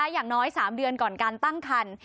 อย่างน้อย๓เดือนก่อนการตั้งคัน